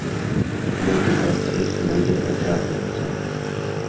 Гэты працэс будзе працягвацца.